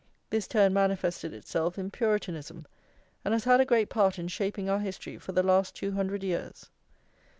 This turn manifested itself in Puritanism, and has had a great part in shaping our history for the last two hundred years.